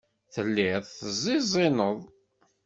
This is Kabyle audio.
Telliḍ teẓẓiẓineḍ.